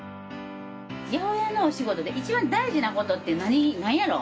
八百屋のお仕事で一番大事な事ってなんやろ？